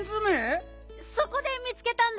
そこで見つけたんだよ。